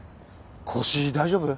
腰大丈夫？